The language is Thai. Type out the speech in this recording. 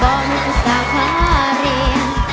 บ่านี่ผู้สาวฆ่าเรียง